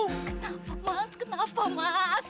kenapa mas kenapa mas